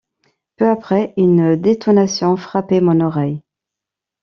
Peu après, une détonation frappait mon oreille.